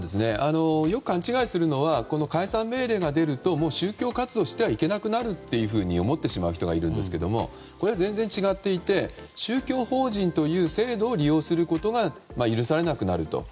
よく勘違いするのは解散命令が出ると宗教活動してはいけなくなると思ってしまう人がいるんですけどもこれは全然違っていて宗教法人という制度を利用することが許されなくなると。